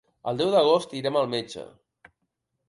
El deu d'agost irem al metge.